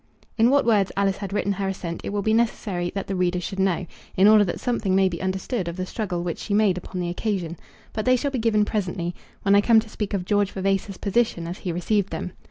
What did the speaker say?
In what words Alice had written her assent it will be necessary that the reader should know, in order that something may be understood of the struggle which she made upon the occasion; but they shall be given presently, when I come to speak of George Vavasor's position as he received them.